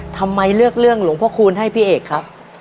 ทำไมเลือกเรื่องหลวงพระคูณให้พี่เอกครับ